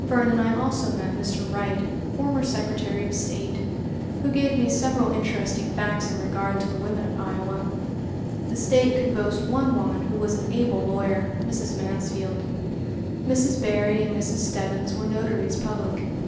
Vernon I also met Mr. Wright, former Secretary of State, who gave me several interesting facts in regard to the women of Iowa. The State could boast one woman who was an able lawyer, Mrs. Mansfield. Mrs. Berry and Mrs. Stebbins were notaries public.